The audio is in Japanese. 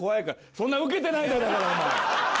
そんなウケてないだからお前。